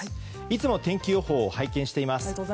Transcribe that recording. いつも天気予報を拝見しています。